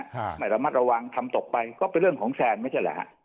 ไม่ระมัดระวังทำตกไปก็เป็นเรื่องของแซนไม่ใช่แหละฮะ